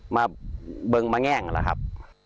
มาเบิ่งมะแง่งเหรอครับ